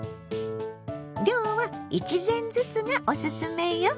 量は１膳ずつがおすすめよ。